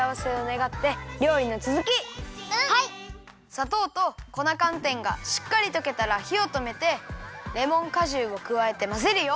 さとうと粉かんてんがしっかりとけたらひをとめてレモンかじゅうをくわえてまぜるよ。